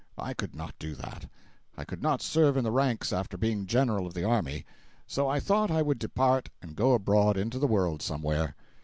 I could not do that; I could not serve in the ranks after being General of the army. So I thought I would depart and go abroad into the world somewhere.